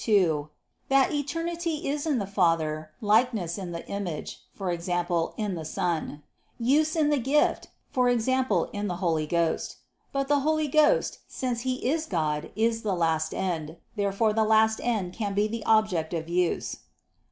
ii) that "Eternity is in the Father, Likeness in the Image," i.e. in the Son, "Use in the Gift," i.e. in the Holy Ghost. But the Holy Ghost, since He is God, is the last end. Therefore the last end can be the object of use.